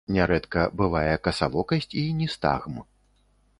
Нярэдка бывае касавокасць і ністагм.